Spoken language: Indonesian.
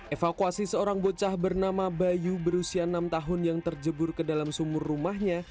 evakuasi seorang bocah bernama bayu berusia enam tahun yang terjebur ke dalam sumur rumahnya